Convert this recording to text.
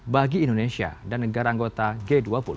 bagi indonesia dan negara anggota g dua puluh